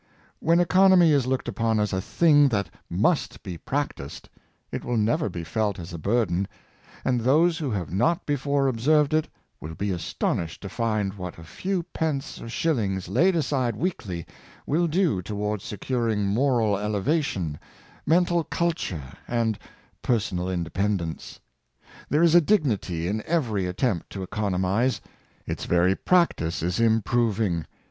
Prosperous Times. 405 When economy is looked upon as a thing that must be practiced, it will never be felt as a burden; and those who have not before observed it, will be astonished to find what a few pence or shillings laid aside weekly will do toward securing moral elevation, mental culture, and personal independence. There is a dignity in every attempt to economize. Its very practice is improving.